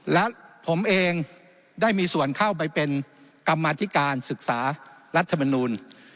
และผมเองได้มีส่วนเข้าไปเป็นกรรมาธิการศึกษารัฐมนูล